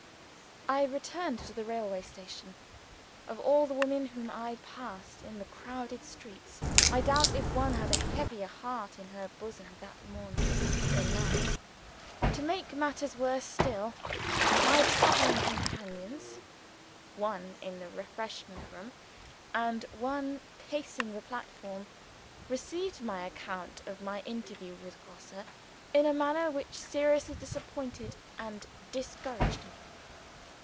I returned to the railway. Of all the women whom I passed in the crowded streets, I doubt if one had a heavier heart in her bosom that morning than mine. To make matters worse still, my traveling companions (one in the refreshment room, and one pacing the platform) received my account of my interview with Grosse in a manner which seriously disappointed and discouraged me.